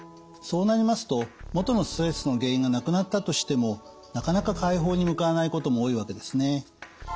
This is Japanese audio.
そうなりますと元のストレスの原因がなくなったとしてもなかなか快方に向かわないことも多いわけですね。